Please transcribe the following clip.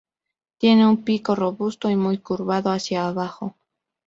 Tiene un pico robusto y muy curvado hacia abajo.